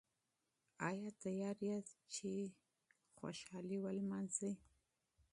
ايا چمتو ياست چې جشن ولمانځئ؟